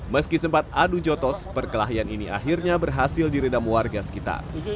meski sempat adu jotos perkelahian ini akhirnya berhasil diredam warga sekitar